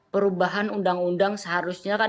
perubahan undang undang seharusnya